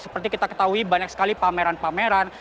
seperti kita ketahui banyak sekali pameran pameran